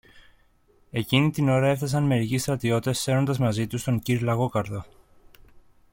Εκείνη την ώρα έφθασαν μερικοί στρατιώτες σέρνοντας μαζί τους τον κυρ-Λαγόκαρδο.